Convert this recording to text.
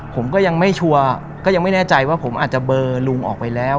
ผมก็ยังไม่ชัวร์ก็ยังไม่แน่ใจว่าผมอาจจะเบอร์ลุงออกไปแล้ว